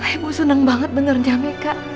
ayah ibu seneng banget beneran ya meka